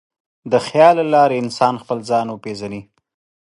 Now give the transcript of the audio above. د خیال له لارې انسان خپل ځان وپېژني.